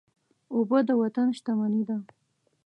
اوبه د وطن شتمني ده.